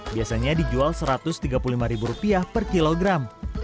biasanya dijual satu ratus tiga puluh lima ribu rupiah per kilogram